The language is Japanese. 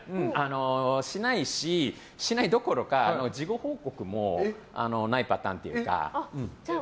しないし、しないどころか事後報告もないパターンというか。